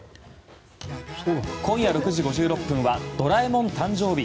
今夜６時５６分は「ドラえもん誕生日！